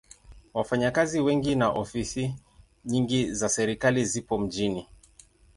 Wafanyakazi wengi na ofisi nyingi za serikali zipo mjini.